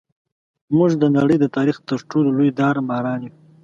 موږ د نړۍ د تاریخ تر ټولو لوی داړه ماران یو.